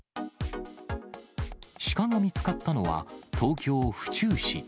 シカが見つかったのは、東京・府中市。